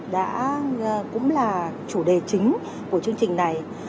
đã cũng là chủ đề chính của chương trình này